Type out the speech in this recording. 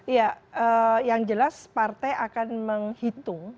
ya yang jelas partai akan menghitung